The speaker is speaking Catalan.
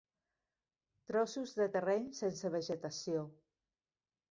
Trossos de terreny sense vegetació.